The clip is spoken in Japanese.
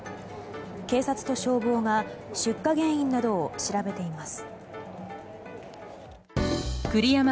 警察と消防が出火原因などを調べています。